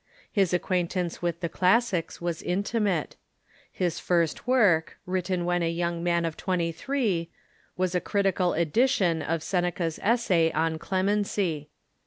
His acquaintance with the classics was intimate. His first work, written when a young man of twenty three, was a crit ical edition of Seneca's essay on " Clemency."